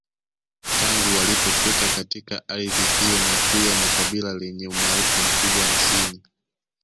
Tangu walipofika katika ardhi hiyo na pia ni kabila lenye umaarufu mkubwa nchini